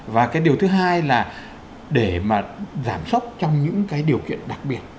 và cái điều thứ hai là để mà giảm sốc trong những cái điều kiện đặc biệt